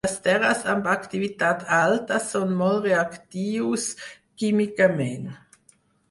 Els terres amb activitat alta són molt reactius químicament.